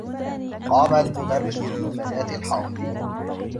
قام المدرّس بمناداة الحاضرين.